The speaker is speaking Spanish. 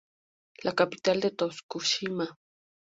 La capital es Tokushima.